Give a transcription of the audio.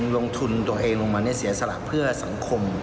ลงทุนตัวเองลงมาเสียสละเพื่อสังคม